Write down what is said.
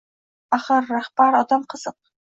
Axir, rahbar odam qiziq